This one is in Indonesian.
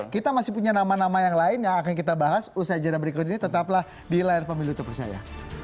kita masih punya nama nama yang lain yang akan kita bahas usai jadwal berikut ini tetaplah di layar pemilu terpercaya